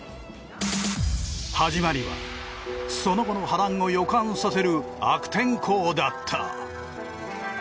始まりはその後の波乱を予感させる悪天候だった。